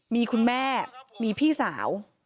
มีคุณแม่มีพี่สาว